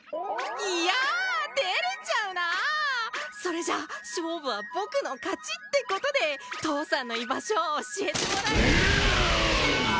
いや照れちゃうなそれじゃあ勝負は僕の勝ちってことで父さんの居場所を教えていやあ！